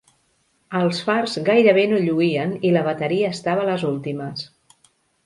Els fars gairebé no lluïen i la bateria estava a les últimes.